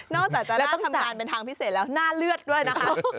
จากจะเริ่มทำงานเป็นทางพิเศษแล้วหน้าเลือดด้วยนะคะ